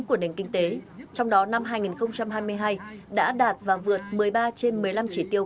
của nền kinh tế trong đó năm hai nghìn hai mươi hai đã đạt và vượt một mươi ba trên một mươi năm chỉ tiêu